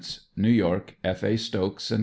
New York: F. A. Stokes & Co.